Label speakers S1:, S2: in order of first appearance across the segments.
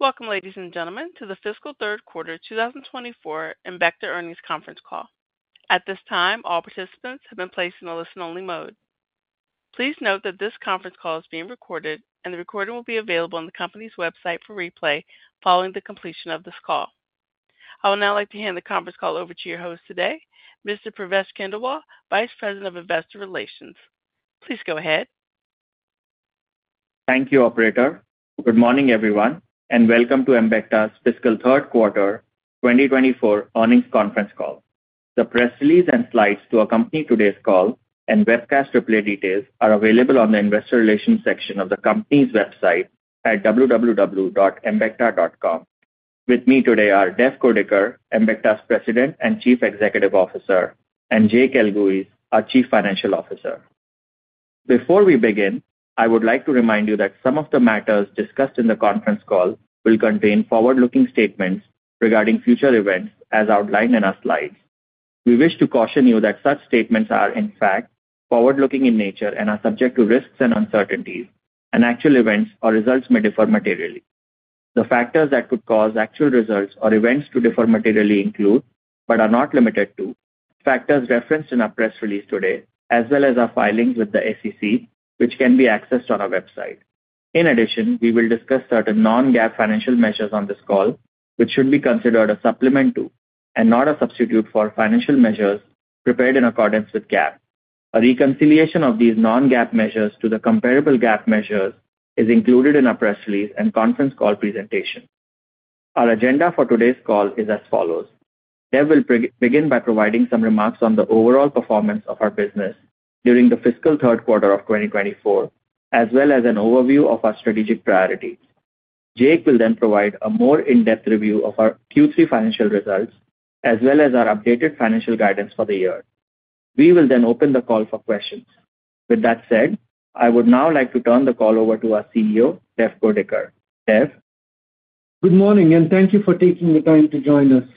S1: Welcome, ladies and gentlemen, to the fiscal third quarter 2024 Embecta Earnings Conference Call. At this time, all participants have been placed in a listen-only mode. Please note that this conference call is being recorded, and the recording will be available on the company's website for replay following the completion of this call. I would now like to hand the conference call over to your host today, Mr. Pravesh Khandelwal, Vice President of investor relations. Please go ahead.
S2: Thank you, operator. Good morning, everyone, and welcome to Embecta's fiscal third quarter 2024 earnings conference call. The press release and slides to accompany today's call and webcast replay details are available on the investor relations section of the company's website at www.embecta.com. With me today are Dev Kurdikar, Embecta's President and Chief Executive Officer, and Jake Elguicze, our Chief Financial Officer. Before we begin, I would like to remind you that some of the matters discussed in the conference call will contain forward-looking statements regarding future events, as outlined in our slides. We wish to caution you that such statements are, in fact, forward-looking in nature and are subject to risks and uncertainties, and actual events or results may differ materially. The factors that could cause actual results or events to differ materially include, but are not limited to, factors referenced in our press release today, as well as our filings with the SEC, which can be accessed on our website. In addition, we will discuss certain non-GAAP financial measures on this call, which should be considered a supplement to and not a substitute for financial measures prepared in accordance with GAAP. A reconciliation of these non-GAAP measures to the comparable GAAP measures is included in our press release and conference call presentation. Our agenda for today's call is as follows: Dev will begin by providing some remarks on the overall performance of our business during the fiscal third quarter of 2024, as well as an overview of our strategic priorities. Jake will then provide a more in-depth review of our Q3 financial results, as well as our updated financial guidance for the year. We will then open the call for questions. With that said, I would now like to turn the call over to our CEO, Dev Kurdikar. Dev?
S3: Good morning, and thank you for taking the time to join us.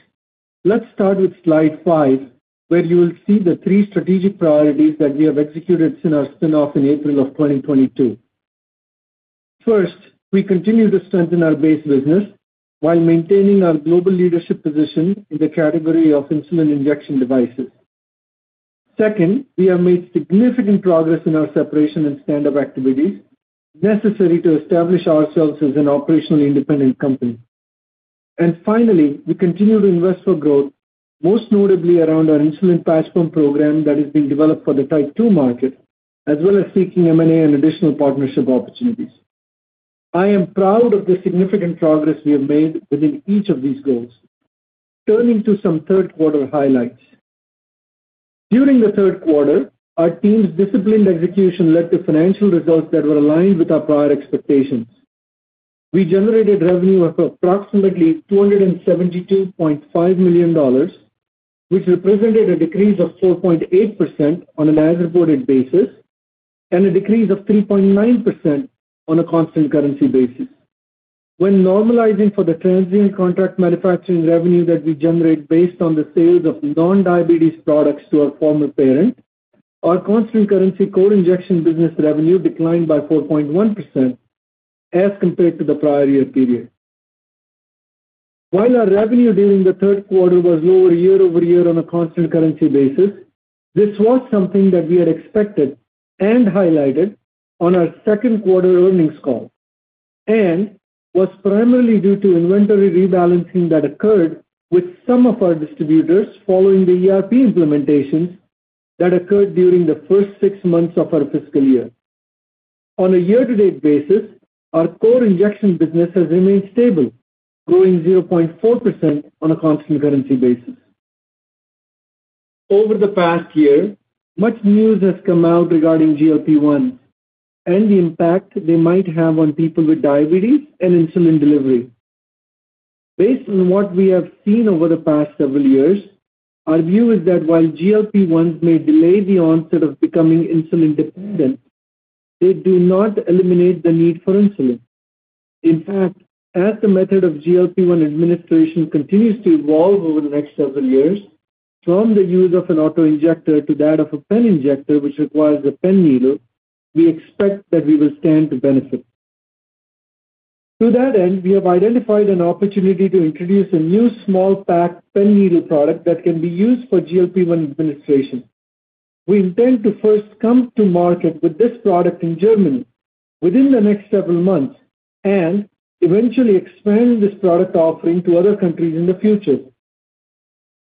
S3: Let's start with slide 5, where you will see the three strategic priorities that we have executed since our spin-off in April of 2022. First, we continue to strengthen our base business while maintaining our global leadership position in the category of insulin injection devices. Second, we have made significant progress in our separation and stand-up activities necessary to establish ourselves as an operationally independent company. And finally, we continue to invest for growth, most notably around our insulin patch pump program that is being developed for the Type 2 market, as well as seeking M&A and additional partnership opportunities. I am proud of the significant progress we have made within each of these goals. Turning to some third quarter highlights. During the third quarter, our team's disciplined execution led to financial results that were aligned with our prior expectations. We generated revenue of approximately $272.5 million, which represented a decrease of 4.8% on an as-reported basis and a decrease of 3.9% on a constant currency basis. When normalizing for the transient contract manufacturing revenue that we generate based on the sales of non-diabetes products to our former parent, our constant currency core injection business revenue declined by 4.1% as compared to the prior year period. While our revenue during the third quarter was lower year-over-year on a constant currency basis, this was something that we had expected and highlighted on our second quarter earnings call and was primarily due to inventory rebalancing that occurred with some of our distributors following the ERP implementations that occurred during the first six months of our fiscal year. On a year-to-date basis, our core injection business has remained stable, growing 0.4% on a constant currency basis. Over the past year, much news has come out regarding GLP-1 and the impact they might have on people with diabetes and insulin delivery. Based on what we have seen over the past several years, our view is that while GLP-1 may delay the onset of becoming insulin dependent, they do not eliminate the need for insulin. In fact, as the method of GLP-1 administration continues to evolve over the next several years, from the use of an auto-injector to that of a pen injector, which requires a pen needle, we expect that we will stand to benefit. To that end, we have identified an opportunity to introduce a new small pack pen needle product that can be used for GLP-1 administration. We intend to first come to market with this product in Germany within the next several months and eventually expand this product offering to other countries in the future.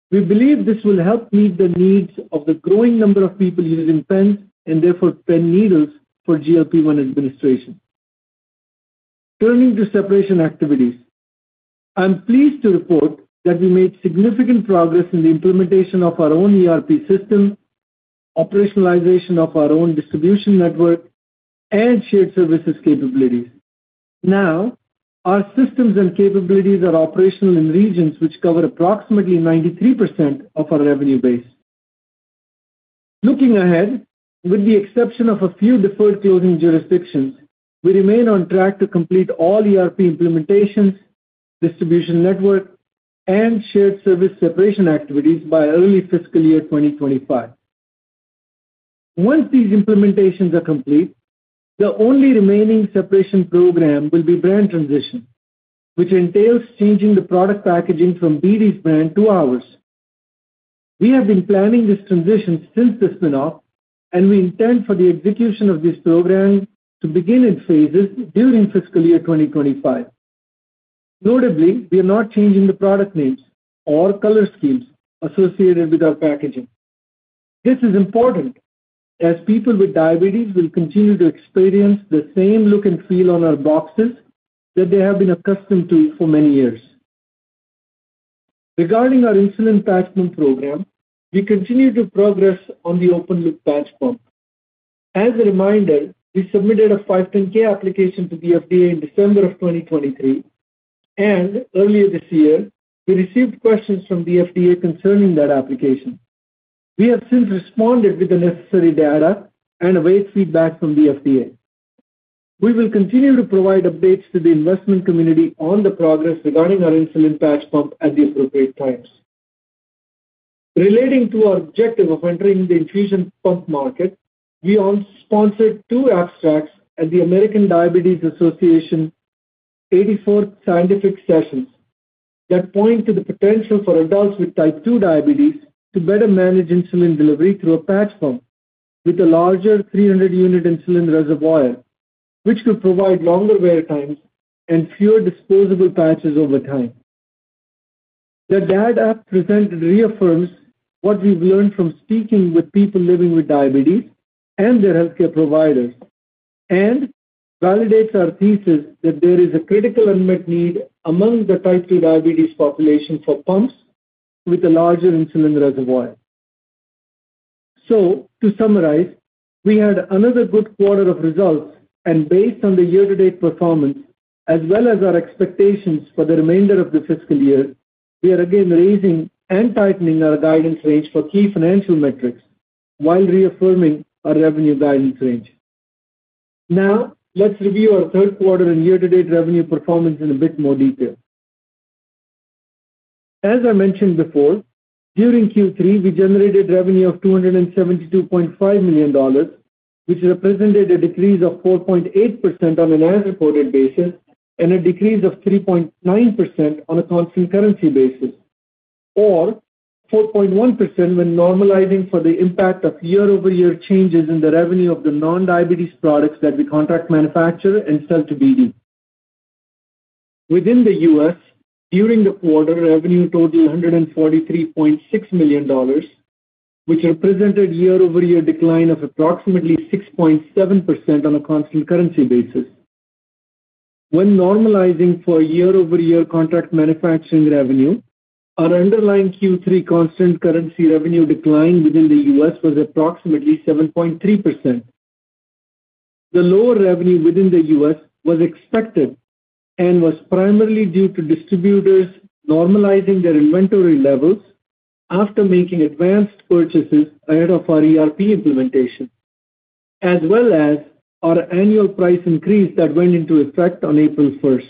S3: We believe this will help meet the needs of the growing number of people using pens, and therefore pen needles, for GLP-1 administration. Turning to separation activities. I'm pleased to report that we made significant progress in the implementation of our own ERP system, operationalization of our own distribution network, and shared services capabilities. Now, our systems and capabilities are operational in regions which cover approximately 93% of our revenue base. Looking ahead, with the exception of a few deferred closing jurisdictions, we remain on track to complete all ERP implementations, distribution network, and shared service separation activities by early fiscal year 2025. Once these implementations are complete, the only remaining separation program will be brand transition, which entails changing the product packaging from BD's brand to ours. We have been planning this transition since the spin-off, and we intend for the execution of this program to begin in phases during fiscal year 2025. Notably, we are not changing the product names or color schemes associated with our packaging. This is important, as people with diabetes will continue to experience the same look and feel on our boxes that they have been accustomed to for many years. Regarding our insulin patch pump program, we continue to progress on the open loop patch pump. As a reminder, we submitted a 510(k) application to the FDA in December of 2023, and earlier this year, we received questions from the FDA concerning that application. We have since responded with the necessary data and await feedback from the FDA. We will continue to provide updates to the investment community on the progress regarding our insulin patch pump at the appropriate times. Relating to our objective of entering the infusion pump market, we also sponsored two abstracts at the American Diabetes Association 84th Scientific Sessions, that point to the potential for adults with Type 2 diabetes to better manage insulin delivery through a patch pump with a larger 300-unit insulin reservoir, which could provide longer wear times and fewer disposable patches over time. The data presented reaffirms what we've learned from speaking with people living with diabetes and their healthcare providers, and validates our thesis that there is a critical unmet need among the Type 2 diabetes population for pumps with a larger insulin reservoir. To summarize, we had another good quarter of results, and based on the year-to-date performance, as well as our expectations for the remainder of the fiscal year, we are again raising and tightening our guidance range for key financial metrics while reaffirming our revenue guidance range. Now, let's review our third quarter and year-to-date revenue performance in a bit more detail. As I mentioned before, during Q3, we generated revenue of $272.5 million, which represented a decrease of 4.8% on an as-reported basis, and a decrease of 3.9% on a constant currency basis, or 4.1% when normalizing for the impact of year-over-year changes in the revenue of the non-diabetes products that we contract, manufacture, and sell to BD. Within the U.S., during the quarter, revenue totaled $143.6 million, which represented year-over-year decline of approximately 6.7% on a constant currency basis. When normalizing for year-over-year contract manufacturing revenue, our underlying Q3 constant currency revenue decline within the U.S. was approximately 7.3%. The lower revenue within the U.S. was expected and was primarily due to distributors normalizing their inventory levels after making advanced purchases ahead of our ERP implementation, as well as our annual price increase that went into effect on April 1st.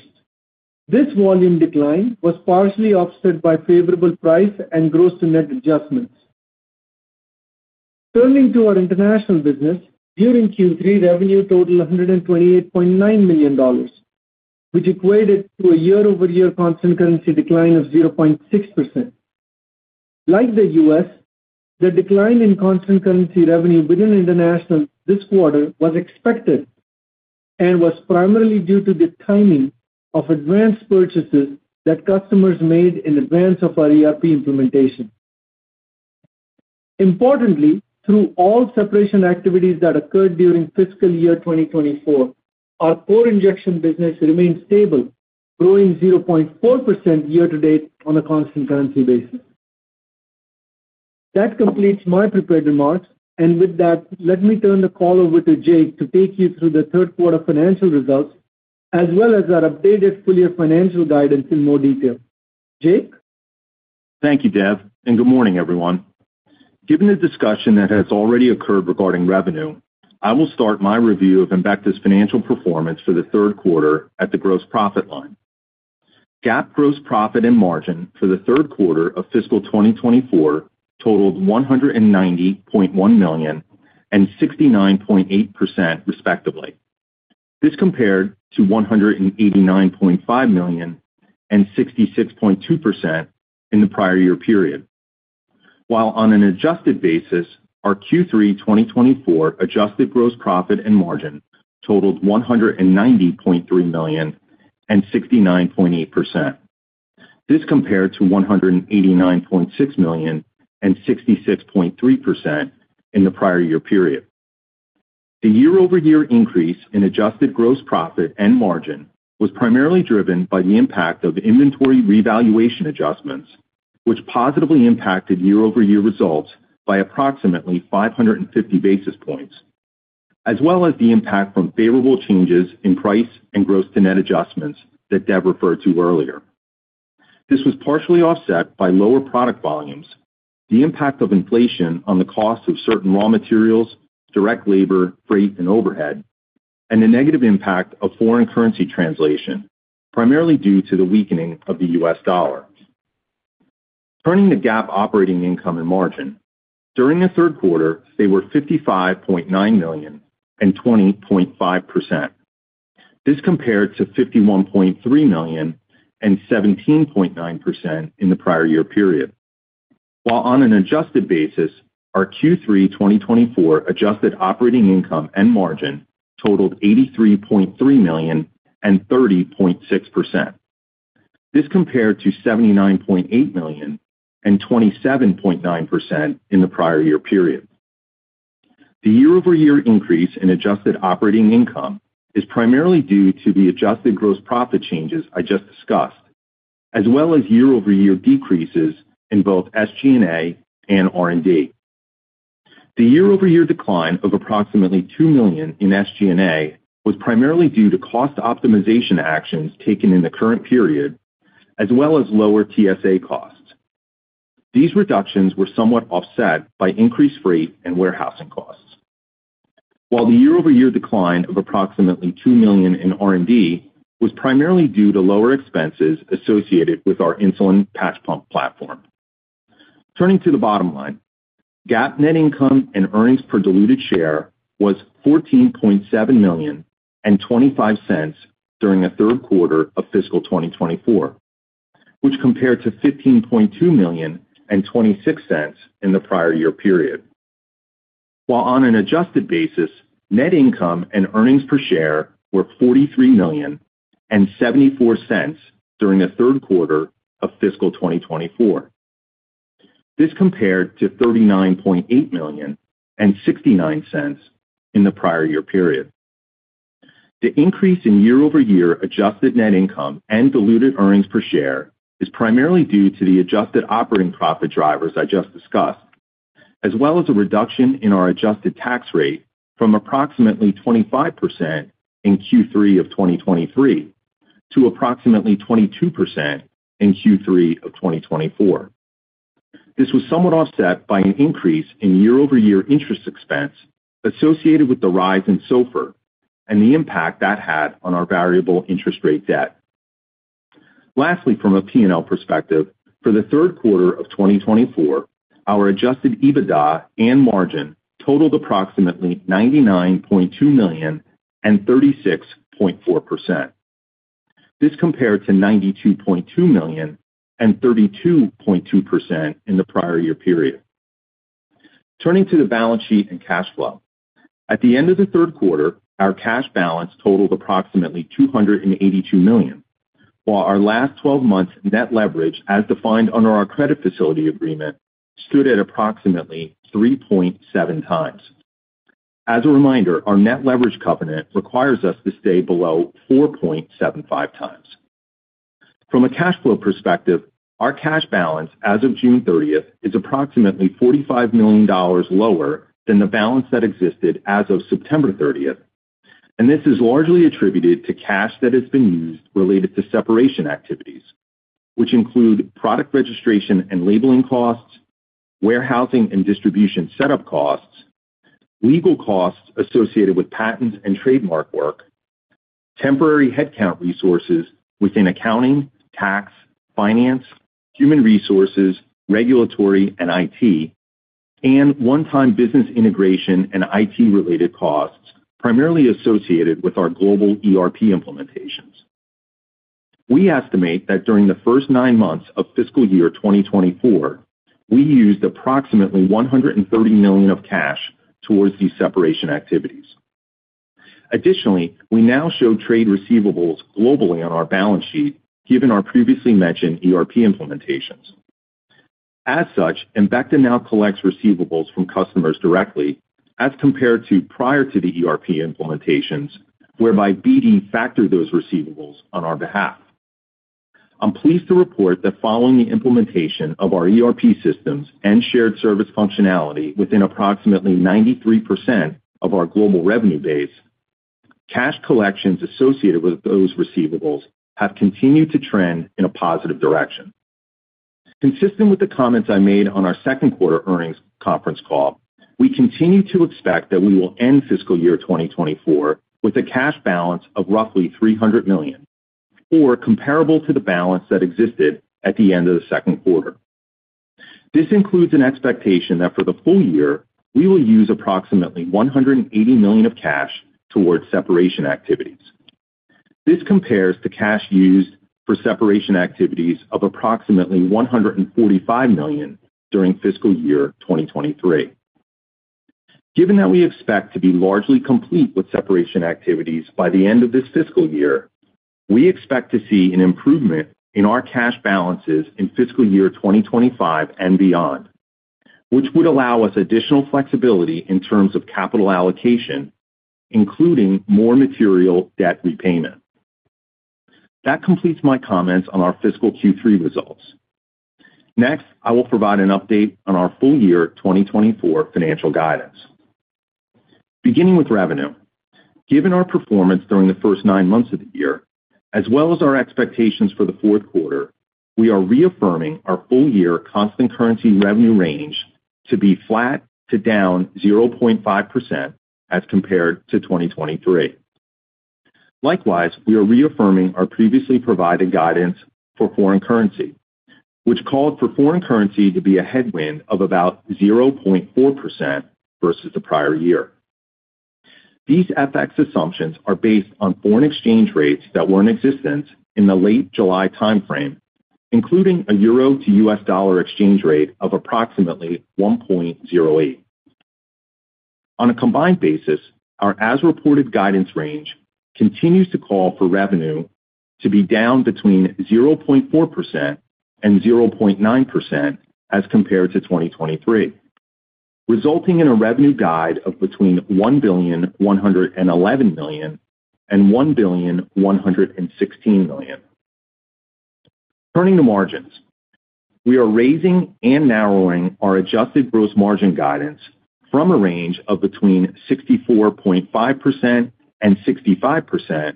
S3: This volume decline was partially offset by favorable price and gross-to-net adjustments. Turning to our international business, during Q3, revenue totaled $128.9 million, which equated to a year-over-year constant currency decline of 0.6%. Like the U.S., the decline in constant currency revenue within international this quarter was expected and was primarily due to the timing of advanced purchases that customers made in advance of our ERP implementation. Importantly, through all separation activities that occurred during fiscal year 2024, our core injection business remains stable, growing 0.4% year to date on a constant currency basis. That completes my prepared remarks, and with that, let me turn the call over to Jake to take you through the third quarter financial results, as well as our updated full year financial guidance in more detail. Jake?
S4: Thank you, Dev, and good morning, everyone. Given the discussion that has already occurred regarding revenue, I will start my review of Embecta's financial performance for the third quarter at the gross profit line. GAAP gross profit and margin for the third quarter of fiscal 2024 totaled $190.1 million and 69.8%, respectively. This compared to $189.5 million and 66.2% in the prior year period. While on an adjusted basis, our Q3 2024 adjusted gross profit and margin totaled $190.3 million and 69.8%. This compared to $189.6 million and 66.3% in the prior year period. The year-over-year increase in adjusted gross profit and margin was primarily driven by the impact of inventory revaluation adjustments, which positively impacted year-over-year results by approximately 550 basis points, as well as the impact from favorable changes in price and gross-to-net adjustments that Dev referred to earlier. This was partially offset by lower product volumes, the impact of inflation on the cost of certain raw materials, direct labor, freight, and overhead, and the negative impact of foreign currency translation, primarily due to the weakening of the USD Turning to GAAP operating income and margin, during the third quarter, they were $55.9 million and 20.5%. This compared to $51.3 million and 17.9% in the prior year period. While on an adjusted basis, our Q3 2024 adjusted operating income and margin totaled $83.3 million and 30.6%. This compared to $79.8 million and 27.9% in the prior year period. The year-over-year increase in adjusted operating income is primarily due to the adjusted gross profit changes I just discussed, as well as year-over-year decreases in both SG&A and R&D. The year-over-year decline of approximately $2 million in SG&A was primarily due to cost optimization actions taken in the current period, as well as lower TSA costs. These reductions were somewhat offset by increased freight and warehousing costs. While the year-over-year decline of approximately $2 million in R&D was primarily due to lower expenses associated with our insulin patch pump platform. Turning to the bottom line, GAAP net income and earnings per diluted share was $14.7 million and $0.25 during the third quarter of fiscal 2024, which compared to $15.2 million and $0.26 in the prior year period. While on an adjusted basis, net income and earnings per share were $43 million and $0.74 during the third quarter of fiscal 2024. This compared to $39.8 million and $0.69 in the prior year period. The increase in year-over-year adjusted net income and diluted earnings per share is primarily due to the adjusted operating profit drivers I just discussed, as well as a reduction in our adjusted tax rate from approximately 25% in Q3 of 2023 to approximately 22% in Q3 of 2024. This was somewhat offset by an increase in year-over-year interest expense associated with the rise in SOFR and the impact that had on our variable interest rate debt. Lastly, from a P&L perspective, for the third quarter of 2024, our adjusted EBITDA and margin totaled approximately $99.2 million and 36.4%. This compared to $92.2 million and 32.2% in the prior year period. Turning to the balance sheet and cash flow. At the end of the third quarter, our cash balance totaled approximately $282 million, while our last twelve months net leverage, as defined under our credit facility agreement, stood at approximately 3.7x. As a reminder, our net leverage covenant requires us to stay below 4.75x. From a cash flow perspective, our cash balance as of June 30th is approximately $45 million lower than the balance that existed as of September 30th, and this is largely attributed to cash that has been used related to separation activities, which include product registration and labeling costs, warehousing and distribution setup costs, legal costs associated with patent and trademark work, temporary headcount resources within accounting, tax, finance, human resources, regulatory, and IT, and one-time business integration and IT-related costs, primarily associated with our global ERP implementations. We estimate that during the first nine months of fiscal year 2024, we used approximately $130 million of cash towards these separation activities. Additionally, we now show trade receivables globally on our balance sheet, given our previously mentioned ERP implementations. As such, Embecta now collects receivables from customers directly as compared to prior to the ERP implementations, whereby BD factored those receivables on our behalf. I'm pleased to report that following the implementation of our ERP systems and shared service functionality within approximately 93% of our global revenue base, cash collections associated with those receivables have continued to trend in a positive direction. Consistent with the comments I made on our second quarter earnings conference call, we continue to expect that we will end fiscal year 2024 with a cash balance of roughly $300 million, or comparable to the balance that existed at the end of the second quarter. This includes an expectation that for the full year, we will use approximately $180 million of cash towards separation activities. This compares to cash used for separation activities of approximately $145 million during fiscal year 2023. Given that we expect to be largely complete with separation activities by the end of this fiscal year, we expect to see an improvement in our cash balances in fiscal year 2025 and beyond, which would allow us additional flexibility in terms of capital allocation, including more material debt repayment. That completes my comments on our fiscal Q3 results. Next, I will provide an update on our full year 2024 financial guidance. Beginning with revenue. Given our performance during the first nine months of the year, as well as our expectations for the fourth quarter, we are reaffirming our full-year constant currency revenue range to be flat to down 0.5% as compared to 2023. Likewise, we are reaffirming our previously provided guidance for foreign currency, which called for foreign currency to be a headwind of about 0.4% versus the prior year. These FX assumptions are based on foreign exchange rates that were in existence in the late July timeframe, including a euro to USD exchange rate of approximately 1.08. On a combined basis, our as-reported guidance range continues to call for revenue to be down between 0.4% and 0.9% as compared to 2023, resulting in a revenue guide of between $1.111 billion and $1.116 billion. Turning to margins, we are raising and narrowing our adjusted gross margin guidance from a range of between 64.5% and 65%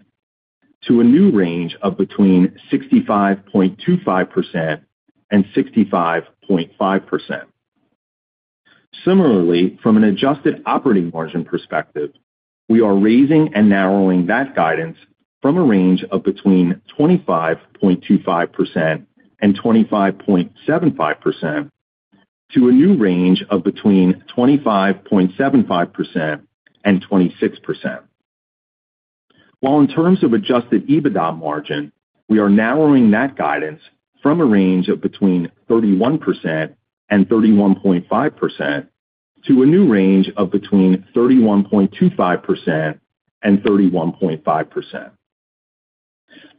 S4: to a new range of between 65.25% and 65.5%. Similarly, from an adjusted operating margin perspective, we are raising and narrowing that guidance from a range of between 25.25% and 25.75% to a new range of between 25.75% and 26%. While in terms of Adjusted EBITDA margin, we are narrowing that guidance from a range of between 31%-31.5% to a new range of between 31.25%-31.5%.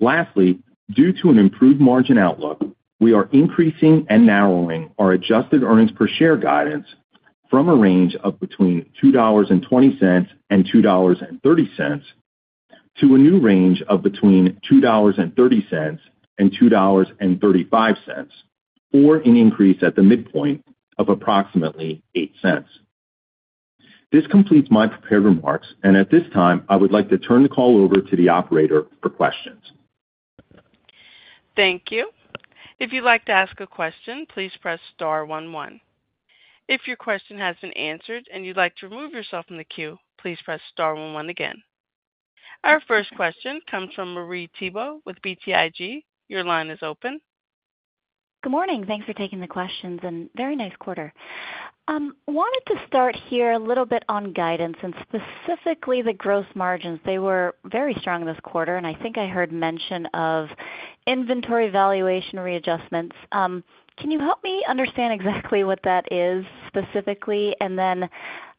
S4: Lastly, due to an improved margin outlook, we are increasing and narrowing our adjusted earnings per share guidance from a range of between $2.20 and $2.30, to a new range of between $2.30 and $2.35, or an increase at the midpoint of approximately $0.08. This completes my prepared remarks, and at this time, I would like to turn the call over to the operator for questions.
S1: Thank you. If you'd like to ask a question, please press star one, one. If your question has been answered and you'd like to remove yourself from the queue, please press star one one again. Our first question comes from Marie Thibault with BTIG. Your line is open.
S5: Good morning. Thanks for taking the questions and very nice quarter. Wanted to start here a little bit on guidance and specifically the gross margins. They were very strong this quarter, and I think I heard mention of inventory valuation readjustments. Can you help me understand exactly what that is specifically, and then,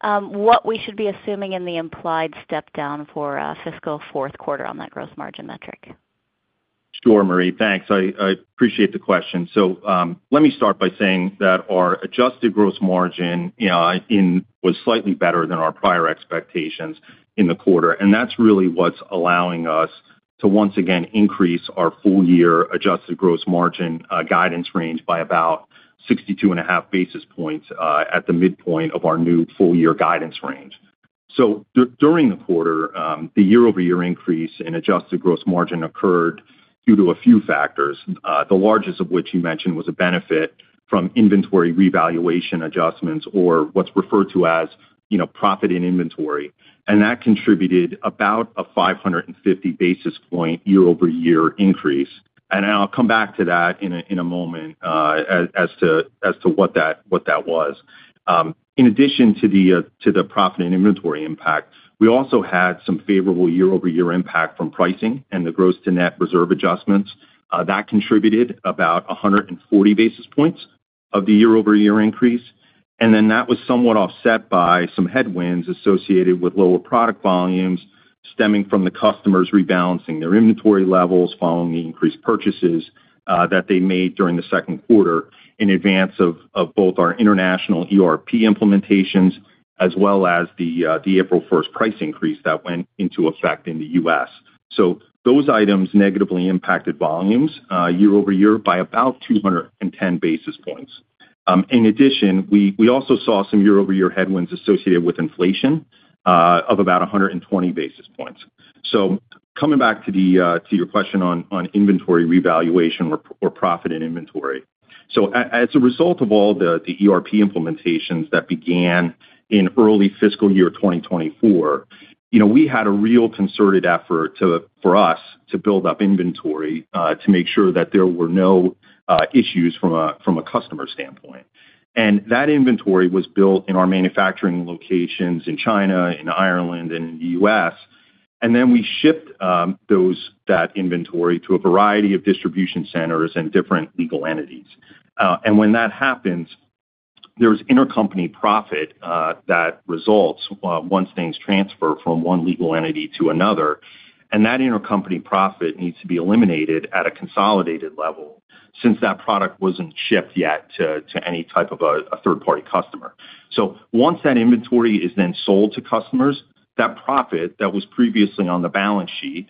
S5: what we should be assuming in the implied step down for, fiscal fourth quarter on that gross margin metric?
S4: Sure, Marie. Thanks. I appreciate the question. So, let me start by saying that our adjusted gross margin, you know, was slightly better than our prior expectations in the quarter, and that's really what's allowing us to once again increase our full year adjusted gross margin guidance range by about 62.5 basis points at the midpoint of our new full year guidance range. So during the quarter, the year-over-year increase in adjusted gross margin occurred due to a few factors, the largest of which you mentioned was a benefit from inventory revaluation adjustments or what's referred to as, you know, profit in inventory. And that contributed about a 550 basis point year-over-year increase. And I'll come back to that in a moment, as to what that was. In addition to the profit and inventory impact, we also had some favorable year-over-year impact from pricing and the gross-to-net reserve adjustments. That contributed about 140 basis points of the year-over-year increase, and then that was somewhat offset by some headwinds associated with lower product volumes stemming from the customers rebalancing their inventory levels following the increased purchases that they made during the second quarter in advance of both our international ERP implementations, as well as the April 1st price increase that went into effect in the U.S. So those items negatively impacted volumes year-over-year by about 210 basis points. In addition, we also saw some year-over-year headwinds associated with inflation of about 120 basis points. So coming back to the to your question on inventory revaluation or profit in inventory. So as a result of all the ERP implementations that began in early fiscal year 2024, you know, we had a real concerted effort to—for us to build up inventory to make sure that there were no issues from a customer standpoint. And that inventory was built in our manufacturing locations in China, in Ireland, and in the U.S., and then we shipped that inventory to a variety of distribution centers and different legal entities. And when that happens, there's intercompany profit that results once things transfer from one legal entity to another, and that intercompany profit needs to be eliminated at a consolidated level since that product wasn't shipped yet to any type of a third-party customer. So once that inventory is then sold to customers, that profit that was previously on the balance sheet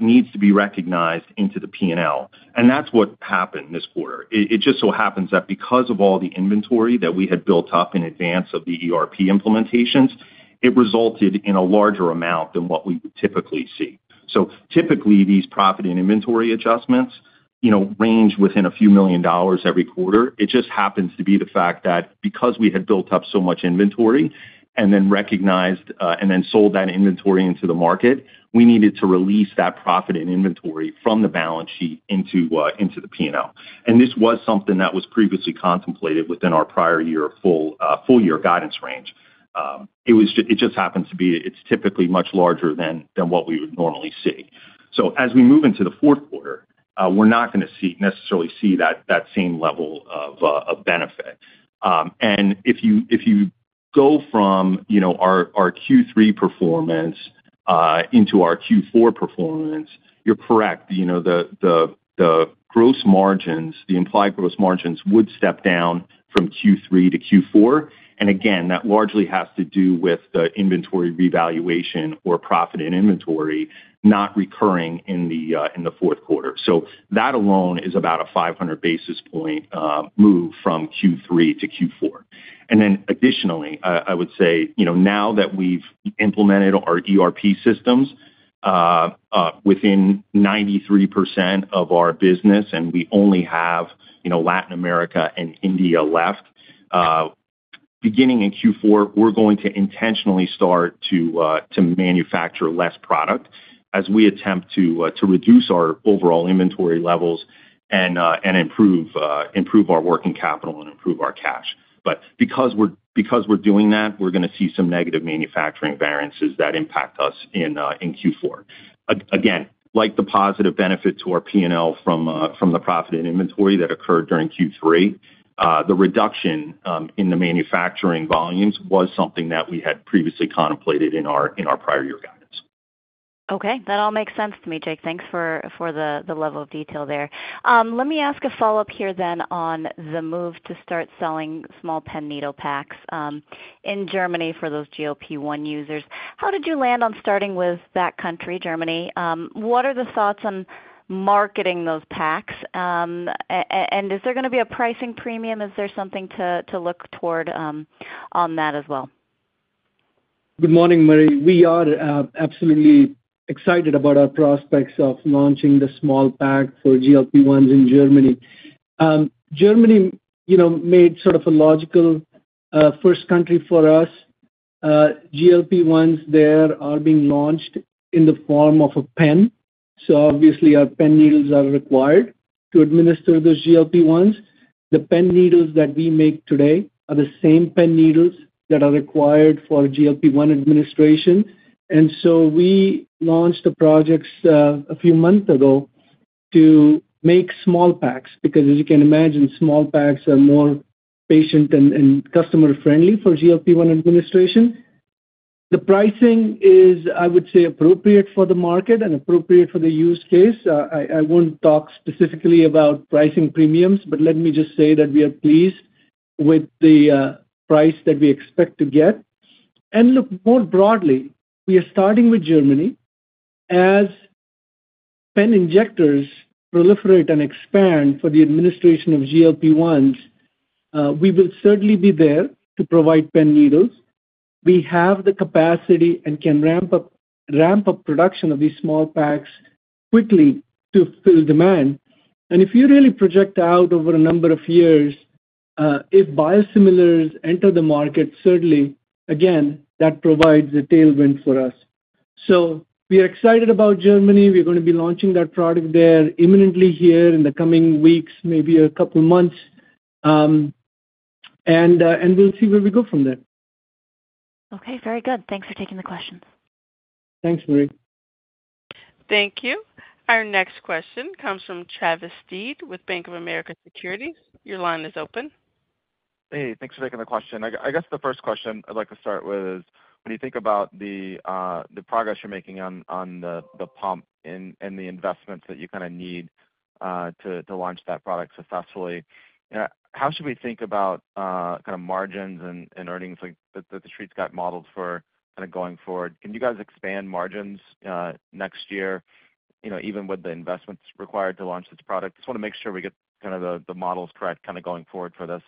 S4: needs to be recognized into the P&L. And that's what happened this quarter. It just so happens that because of all the inventory that we had built up in advance of the ERP implementations, it resulted in a larger amount than what we would typically see. So typically, these profit and inventory adjustments, you know, range within a few million dollars every quarter. It just happens to be the fact that because we had built up so much inventory and then recognized and then sold that inventory into the market, we needed to release that profit in inventory from the balance sheet into the P&L. And this was something that was previously contemplated within our prior year full year guidance range. It just happens to be, it's typically much larger than what we would normally see. So as we move into the fourth quarter, we're not gonna necessarily see that same level of benefit. And if you go from, you know, our Q3 performance into our Q4 performance, you're correct. You know, the gross margins, the implied gross margins would step down from Q3 to Q4. And again, that largely has to do with the inventory revaluation or profit in inventory not recurring in the fourth quarter. So that alone is about a 500 basis point move from Q3 to Q4. Additionally, I would say, you know, now that we've implemented our ERP systems within 93% of our business, and we only have, you know, Latin America and India left, beginning in Q4, we're going to intentionally start to manufacture less product as we attempt to reduce our overall inventory levels and improve our working capital and improve our cash. But because we're doing that, we're gonna see some negative manufacturing variances that impact us in Q4. Again, like the positive benefit to our P&L from the profit and inventory that occurred during Q3, the reduction in the manufacturing volumes was something that we had previously contemplated in our prior year guidance.
S5: Okay, that all makes sense to me, Jake. Thanks for the level of detail there. Let me ask a follow-up here then on the move to start selling small pen needle packs in Germany for those GLP-1 users. How did you land on starting with that country, Germany? What are the thoughts on marketing those packs? And is there gonna be a pricing premium? Is there something to look toward on that as well?
S3: Good morning, Marie. We are absolutely excited about our prospects of launching the small pack for GLP-1s in Germany. Germany, you know, made sort of a logical first country for us. GLP-1s there are being launched in the form of a pen, so obviously our pen needles are required to administer those GLP-1s. The pen needles that we make today are the same pen needles that are required for GLP-1 administration. And so we launched the projects a few months ago to make small packs, because as you can imagine, small packs are more patient and customer-friendly for GLP-1 administration. The pricing is, I would say, appropriate for the market and appropriate for the use case. I won't talk specifically about pricing premiums, but let me just say that we are pleased with the price that we expect to get. And look, more broadly, we are starting with Germany. As pen injectors proliferate and expand for the administration of GLP-1s, we will certainly be there to provide pen needles. We have the capacity and can ramp up, ramp up production of these small packs quickly to fill demand. And if you really project out over a number of years, if biosimilars enter the market, certainly, again, that provides a tailwind for us. So we are excited about Germany. We're gonna be launching that product there imminently here in the coming weeks, maybe a couple of months. And we'll see where we go from there.
S5: Okay, very good. Thanks for taking the questions.
S3: Thanks, Marie.
S1: Thank you. Our next question comes from Travis Steed with Bank of America Securities. Your line is open.
S6: Hey, thanks for taking the question. I guess the first question I'd like to start with is, when you think about the progress you're making on the pump and the investments that you kind of need to launch that product successfully, how should we think about kind of margins and earnings like that that The Street's got modeled for kind of going forward? Can you guys expand margins next year, you know, even with the investments required to launch this product? Just wanna make sure we get kind of the models correct kind of going forward for this.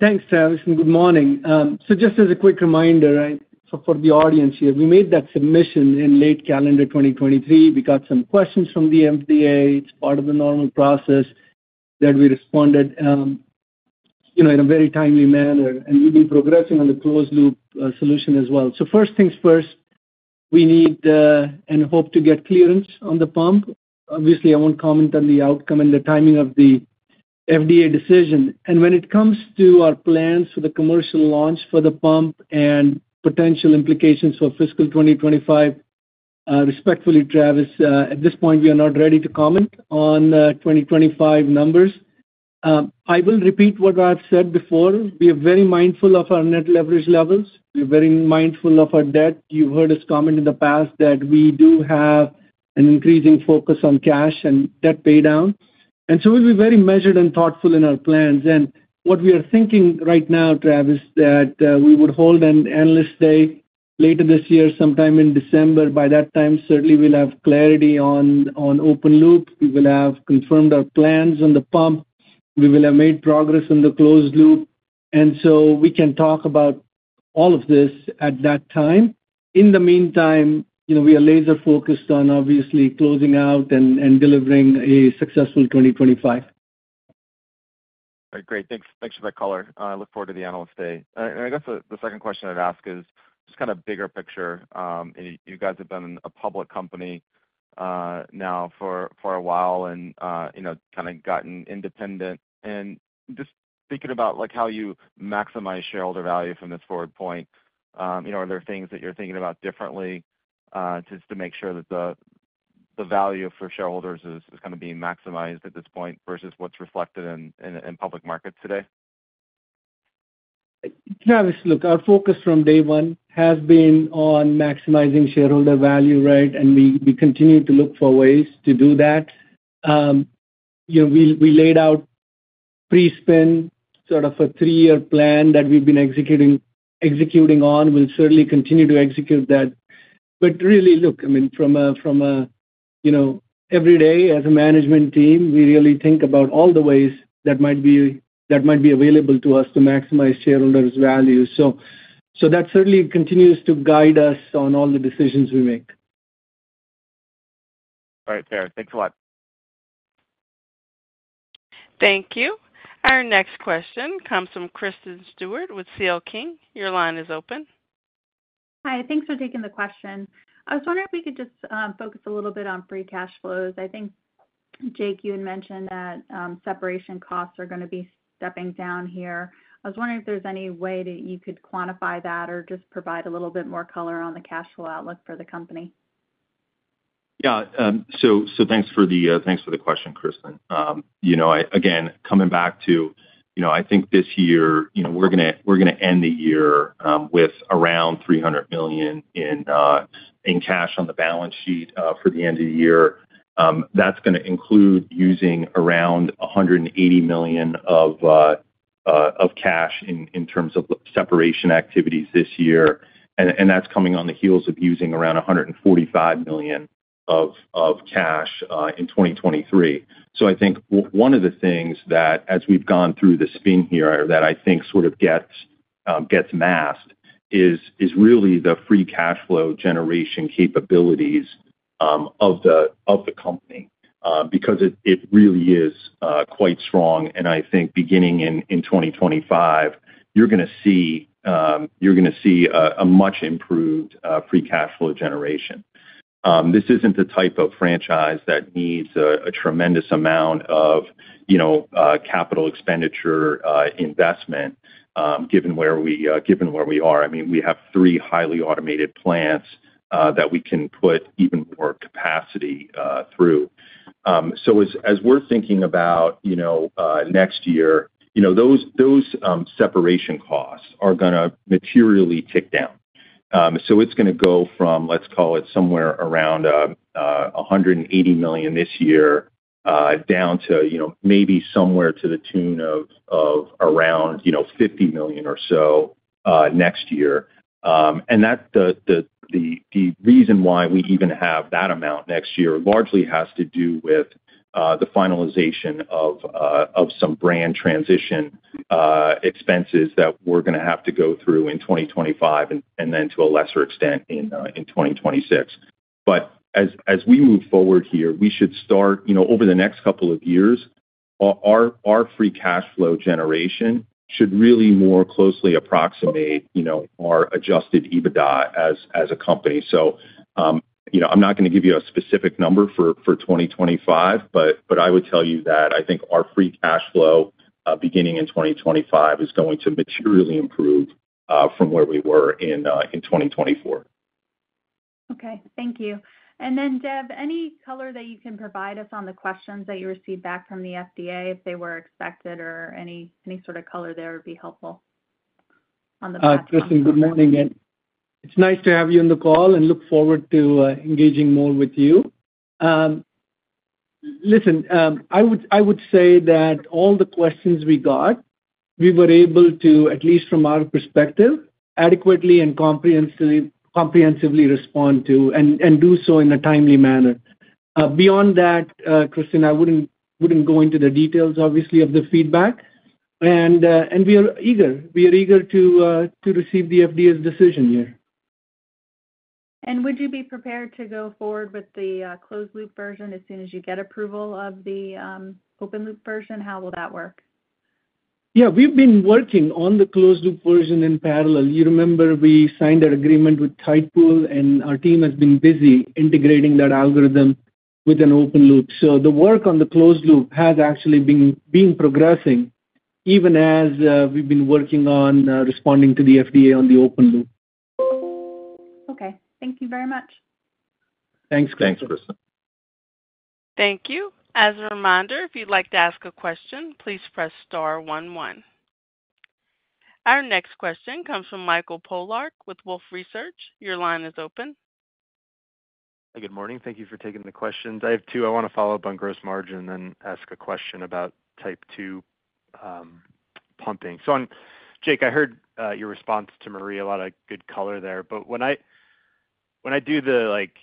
S3: Thanks, Travis, and good morning. So just as a quick reminder, for the audience here, we made that submission in late calendar 2023. We got some questions from the FDA. It's part of the normal process that we responded, you know, in a very timely manner, and we've been progressing on the closed loop solution as well. So first things first, we need and hope to get clearance on the pump. Obviously, I won't comment on the outcome and the timing of the FDA decision. When it comes to our plans for the commercial launch for the pump and potential implications for fiscal 2025, respectfully, Travis, at this point, we are not ready to comment on 2025 numbers. I will repeat what I've said before. We are very mindful of our net leverage levels. We're very mindful of our debt. You've heard us comment in the past that we do have an increasing focus on cash and debt paydown, and so we'll be very measured and thoughtful in our plans. What we are thinking right now, Travis, that we would hold an analyst day later this year, sometime in December. By that time, certainly we'll have clarity on open loop. We will have confirmed our plans on the pump. We will have made progress in the closed loop, and so we can talk about all of this at that time. In the meantime, you know, we are laser focused on obviously closing out and delivering a successful 2025.
S6: All right, great. Thanks, thanks for that color. I look forward to the Analyst Day. And I guess the second question I'd ask is just kind of bigger picture. You guys have been a public company now for a while and you know, kind of gotten independent. And just thinking about, like, how you maximize shareholder value from this forward point, you know, are there things that you're thinking about differently, just to make sure that the value for shareholders is kind of being maximized at this point versus what's reflected in public markets today?
S3: Travis, look, our focus from day one has been on maximizing shareholder value, right? And we continue to look for ways to do that. You know, we laid out pre-spin, sort of a three-year plan that we've been executing on. We'll certainly continue to execute that. But really, look, I mean, from a, you know, every day, as a management team, we really think about all the ways that might be available to us to maximize shareholders' value. So, that certainly continues to guide us on all the decisions we make.
S6: All right, fair. Thanks a lot.
S1: Thank you. Our next question comes from Kristin Stewart with CL King. Your line is open.
S7: Hi, thanks for taking the question. I was wondering if we could just, focus a little bit on free cash flows. I think, Jake, you had mentioned that, separation costs are gonna be stepping down here. I was wondering if there's any way that you could quantify that or just provide a little bit more color on the cash flow outlook for the company.
S4: Yeah, so thanks for the question, Kristin. You know, again, coming back to, you know, I think this year, you know, we're gonna end the year with around $300 million in cash on the balance sheet for the end of the year. That's gonna include using around $180 million of cash in terms of separation activities this year, and that's coming on the heels of using around $145 million of cash in 2023. So I think one of the things that as we've gone through the spin here, that I think sort of gets masked, is really the free cash flow generation capabilities of the company, because it really is quite strong. And I think beginning in 2025, you're gonna see a much improved free cash flow generation. This isn't the type of franchise that needs a tremendous amount of, you know, capital expenditure investment, given where we are. I mean, we have three highly automated plants that we can put even more capacity through. So as we're thinking about, you know, next year, you know, those separation costs are gonna materially tick down. So it's gonna go from, let's call it, somewhere around $180 million this year, down to, you know, maybe somewhere to the tune of around, you know, $50 million or so next year. And that's the reason why we even have that amount next year largely has to do with the finalization of some brand transition expenses that we're gonna have to go through in 2025 and then to a lesser extent in 2026. But as we move forward here, we should start, you know, over the next couple of years, our free cash flow generation should really more closely approximate, you know, our Adjusted EBITDA as a company. So, you know, I'm not gonna give you a specific number for 2025, but I would tell you that I think our free cash flow, beginning in 2025, is going to materially improve, from where we were in 2024.
S7: Okay. Thank you. And then, Dev, any color that you can provide us on the questions that you received back from the FDA, if they were expected or any, any sort of color there would be helpful on the-
S3: Kristin, good morning, and it's nice to have you on the call and look forward to engaging more with you. Listen, I would say that all the questions we got, we were able to, at least from our perspective, adequately and comprehensively respond to and do so in a timely manner. Beyond that, Kristin, I wouldn't go into the details, obviously, of the feedback. We are eager to receive the FDA's decision here.
S7: Would you be prepared to go forward with the closed loop version as soon as you get approval of the open loop version? How will that work?
S3: Yeah, we've been working on the closed loop version in parallel. You remember we signed an agreement with Tidepool, and our team has been busy integrating that algorithm with an open loop. So the work on the closed loop has actually been progressing even as we've been working on responding to the FDA on the open loop.
S7: Okay. Thank you very much.
S4: Thanks.
S3: Thanks, Kristin.
S1: Thank you. As a reminder, if you'd like to ask a question, please press star one, one. Our next question comes from Michael Polark with Wolfe Research. Your line is open.
S8: Good morning. Thank you for taking the questions. I have two. I want to follow up on gross margin, then ask a question about Type 2 pumping. So Jake, I heard your response to Marie, a lot of good color there. But when I- ... When I do the, like,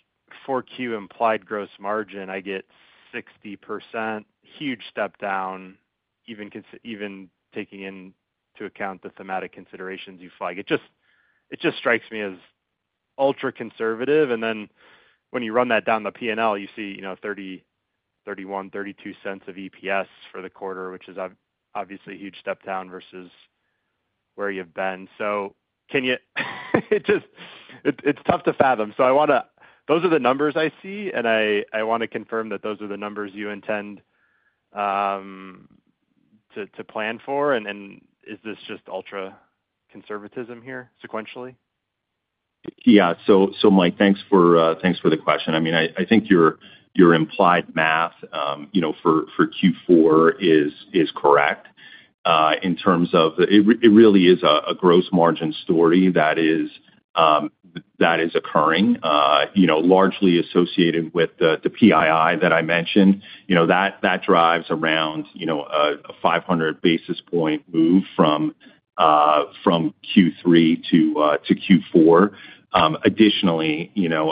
S8: 4Q implied gross margin, I get 60%, huge step down, even taking into account the thematic considerations you flag. It just, it just strikes me as ultra-conservative, and then when you run that down the P&L, you see, you know, $0.30, $0.31, $0.32 of EPS for the quarter, which is obviously a huge step down versus where you've been. So can you. It just, it, it's tough to fathom. So I wanna. Those are the numbers I see, and I, I wanna confirm that those are the numbers you intend to, to plan for, and then is this just ultra conservatism here sequentially?
S4: Yeah. So Mike, thanks for the question. I mean, I think your implied math, you know, for Q4 is correct. In terms of the... It really is a gross margin story that is occurring, you know, largely associated with the PII that I mentioned. You know, that drives around, you know, a 500 basis point move from Q3 to Q4. Additionally, you know,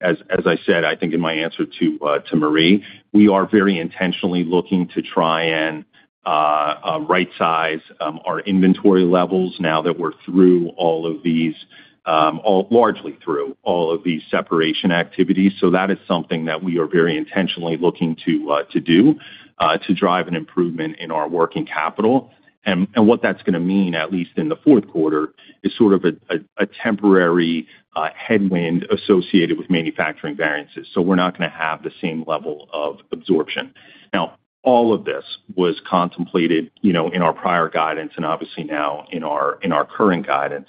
S4: as I said, I think in my answer to Marie, we are very intentionally looking to try and rightsize our inventory levels now that we're through all of these, largely through all of these separation activities. So that is something that we are very intentionally looking to do to drive an improvement in our working capital. And what that's gonna mean, at least in the fourth quarter, is sort of a temporary headwind associated with manufacturing variances, so we're not gonna have the same level of absorption. Now, all of this was contemplated, you know, in our prior guidance and obviously now in our current guidance,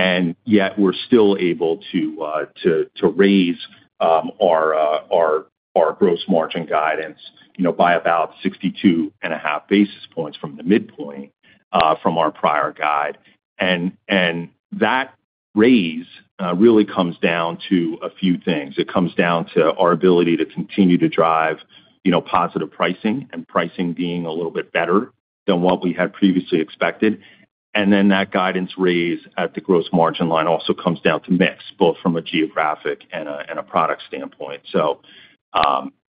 S4: and yet we're still able to raise our gross margin guidance, you know, by about 62.5 basis points from the midpoint from our prior guide. And that raise really comes down to a few things. It comes down to our ability to continue to drive, you know, positive pricing, and pricing being a little bit better than what we had previously expected. And then that guidance raise at the gross margin line also comes down to mix, both from a geographic and a product standpoint. So,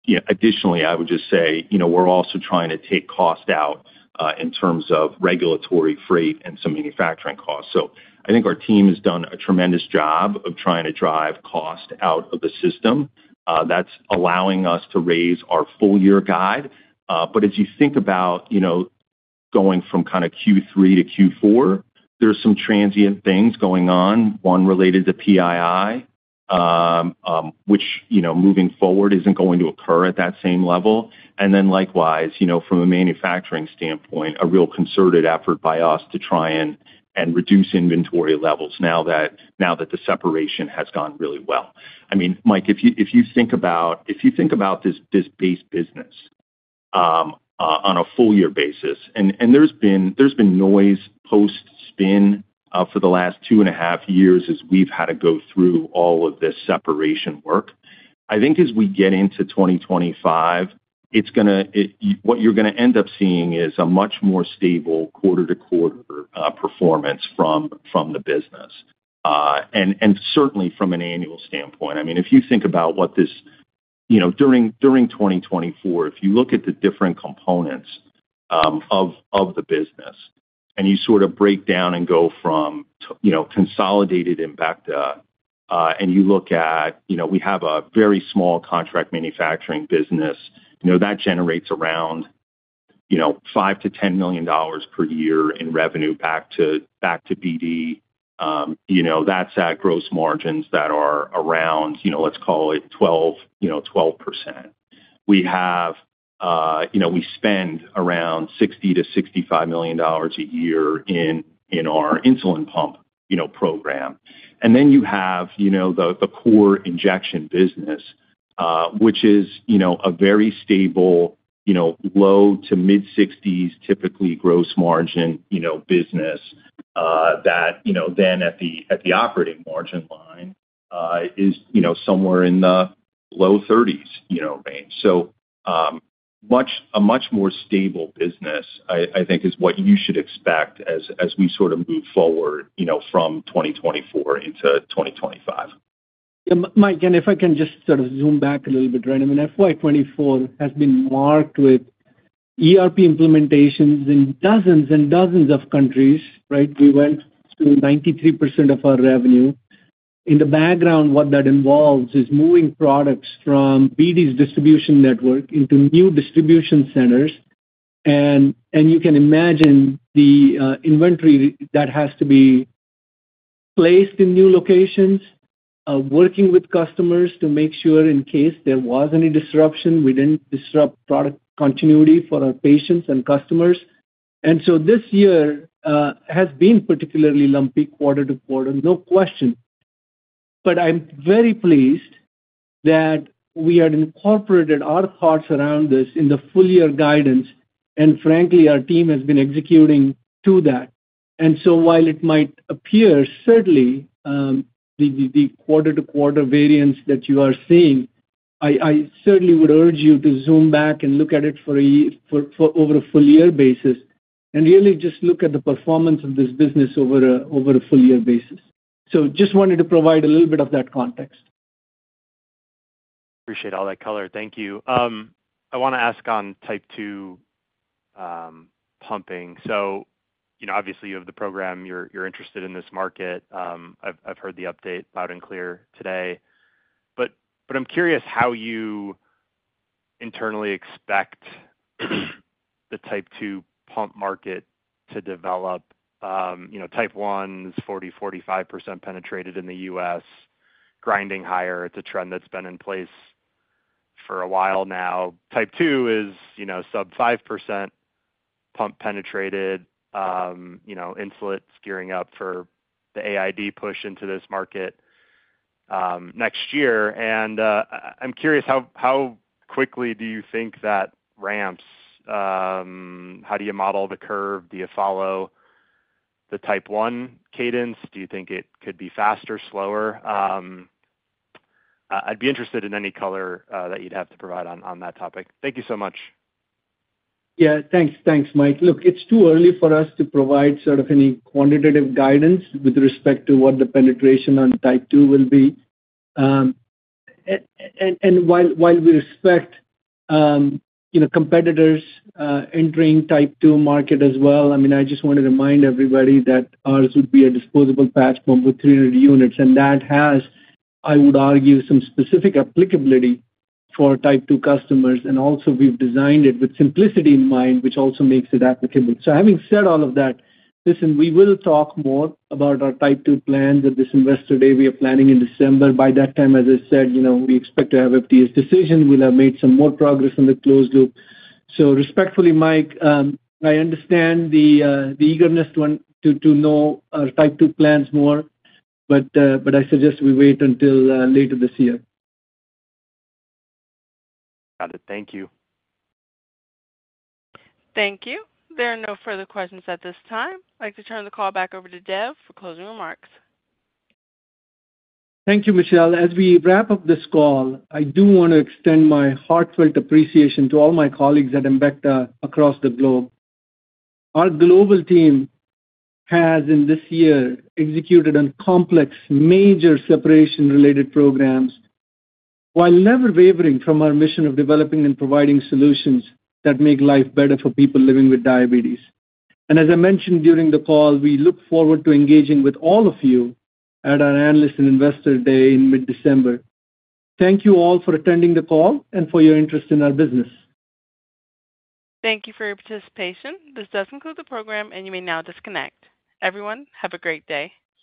S4: yeah, additionally, I would just say, you know, we're also trying to take cost out in terms of regulatory freight and some manufacturing costs. So I think our team has done a tremendous job of trying to drive cost out of the system. That's allowing us to raise our full-year guide. But as you think about, you know, going from kinda Q3 to Q4, there's some transient things going on, one related to PII, which, you know, moving forward isn't going to occur at that same level. And then likewise, you know, from a manufacturing standpoint, a real concerted effort by us to try and reduce inventory levels now that the separation has gone really well. I mean, Mike, if you think about this base business on a full year basis, and there's been noise post-spin for the last two and a half years as we've had to go through all of this separation work. I think as we get into 2025, it's gonna—what you're gonna end up seeing is a much more stable quarter-to-quarter performance from the business, and certainly from an annual standpoint. I mean, if you think about what this... You know, during 2024, if you look at the different components of the business, and you sort of break down and go from you know, consolidated impact, and you look at, you know, we have a very small contract manufacturing business, you know, that generates around, you know, $5 million-$10 million per year in revenue back to BD. You know, that's at gross margins that are around, you know, let's call it 12, you know, 12%. We have, you know, we spend around $60 million-$65 million a year in our insulin pump, you know, program. And then you have, you know, the core injection business, which is, you know, a very stable, you know, low- to mid-60s, typically gross margin, you know, business, that then at the operating margin line is, you know, somewhere in the low 30s, you know, range. So, a much more stable business, I think is what you should expect as we sort of move forward, you know, from 2024 into 2025.
S3: Yeah, Mike, and if I can just sort of zoom back a little bit, right? I mean, FY 2024 has been marked with ERP implementations in dozens and dozens of countries, right? We went to 93% of our revenue. In the background, what that involves is moving products from BD's distribution network into new distribution centers, and you can imagine the inventory that has to be placed in new locations, working with customers to make sure in case there was any disruption, we didn't disrupt product continuity for our patients and customers. And so this year has been particularly lumpy quarter to quarter, no question. But I'm very pleased that we had incorporated our thoughts around this in the full year guidance, and frankly, our team has been executing to that. While it might appear certainly, the quarter-to-quarter variance that you are seeing. I certainly would urge you to zoom back and look at it for a year, over a full year basis, and really just look at the performance of this business over a full year basis. So just wanted to provide a little bit of that context.
S8: Appreciate all that color. Thank you. I want to ask on Type 2 pumping. So, you know, obviously, you have the program, you're interested in this market. I've heard the update loud and clear today, but I'm curious how you internally expect the Type 2 pump market to develop. You know, Type 1 is 40%-45% penetrated in the U.S., grinding higher. It's a trend that's been in place for a while now. Type 2 is, you know, sub 5% pump penetrated, you know, Insulet's gearing up for the AID push into this market, next year. And, I'm curious, how quickly do you think that ramps? How do you model the curve? Do you follow the Type 1 cadence? Do you think it could be faster, slower? I'd be interested in any color that you'd have to provide on that topic. Thank you so much.
S3: Yeah, thanks. Thanks, Mike. Look, it's too early for us to provide sort of any quantitative guidance with respect to what the penetration on Type 2 will be. And while we respect, you know, competitors entering Type 2 market as well, I mean, I just want to remind everybody that ours would be a disposable patch pump with 300 units, and that has, I would argue, some specific applicability for Type 2 customers. And also, we've designed it with simplicity in mind, which also makes it applicable. So having said all of that, listen, we will talk more about our Type 2 plans at this Investor Day we are planning in December. By that time, as I said, you know, we expect to have FDA's decision. We'll have made some more progress in the Closed Loop. So, respectfully, Mike, I understand the eagerness to want to know our Type 2 plans more, but I suggest we wait until later this year.
S8: Got it. Thank you.
S1: Thank you. There are no further questions at this time. I'd like to turn the call back over to Dev for closing remarks.
S3: Thank you, Michelle. As we wrap up this call, I do want to extend my heartfelt appreciation to all my colleagues at Embecta across the globe. Our global team has, in this year, executed on complex, major separation-related programs, while never wavering from our mission of developing and providing solutions that make life better for people living with diabetes. And as I mentioned during the call, we look forward to engaging with all of you at our Analyst and Investor Day in mid-December. Thank you all for attending the call and for your interest in our business.
S1: Thank you for your participation. This does conclude the program, and you may now disconnect. Everyone, have a great day.